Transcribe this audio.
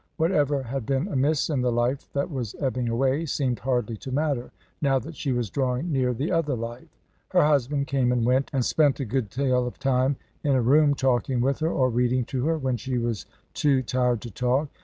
Whatever had been amiss in the life that was ebbing away seemed hardly to matter, now that she was drawing near the other life. Her husband came and went, and spend a good deal of his time in her room, talking with her, or reading to her, when she was too tired to talk.